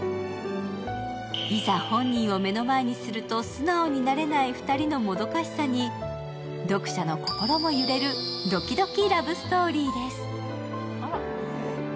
いざ本人を目の前にすると素直になれない２人のもどかしさに読者の心も揺れるドキドキラブストーリーです。